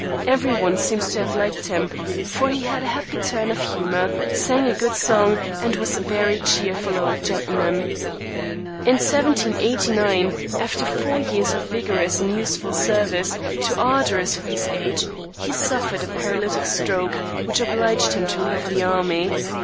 Every one seems to have liked him, for he had a very happy turn for humor, sang a good song, and was a very cheerful old gentleman. In 1789, after four years of vigorous and useful service, too arduous for his age, he suffered a paralytic stroke, which obliged him to leave the army.